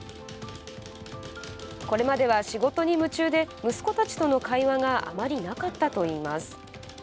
これまでは仕事に夢中で息子たちとの会話があまりなかったといいます。